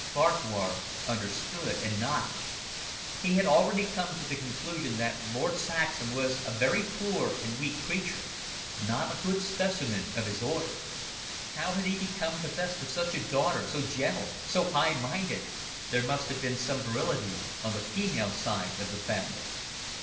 Farquhar understood and nodded. He had already come to the conclusion that Lord Saxham was a very poor and weak creature not a good specimen of his order. How had he become possessed of such a daughter, so gentle, so high minded? There must have been some virility on the female side of the family.